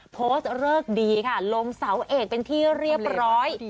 โพสต์เลิกดีค่ะลงเสาเอกเป็นที่เรียบร้อย